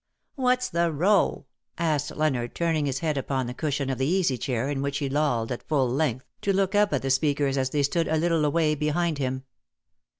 " What's the row V asked Leonard, turning his head upon the cushion of the easy chair in which he lolled at full length, to look up at the speakers as they stood a little way behind him.